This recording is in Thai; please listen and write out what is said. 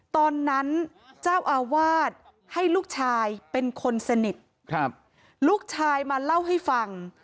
ตอนนั้นเจ้าอาวาสให้ลูกชายเป็นคนสนิทครับลูกชายมาเล่าให้ฟัง